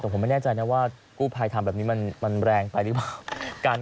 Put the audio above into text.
แต่ผมไม่แน่ใจนะว่ากู้ภัยทำแบบนี้มันแรงไปหรือเปล่า